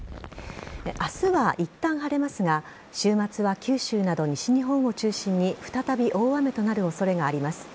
明日はいったん晴れますが週末は九州など西日本を中心に再び大雨となる恐れがあります。